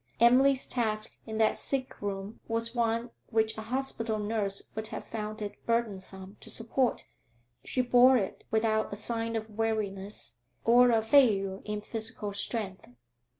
Emily's task in that sick room was one which a hospital nurse would have found it burdensome to support; she bore it without a sign of weariness or of failure in physical strength.